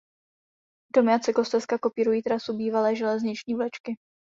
Domy a cyklostezka kopírují trasu bývalé železniční vlečky.